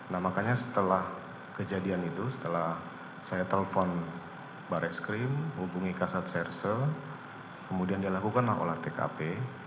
nah makanya setelah kejadian itu setelah saya telpon baris krim hubungi kasat serse kemudian dilakukanlah olah tkp